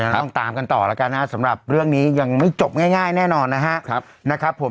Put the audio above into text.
ต้องตามกันต่อแล้วกันนะครับสำหรับเรื่องนี้ยังไม่จบง่ายแน่นอนนะครับผม